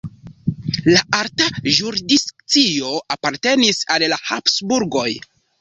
La alta jurisdikcio apartenis al la Habsburgoj.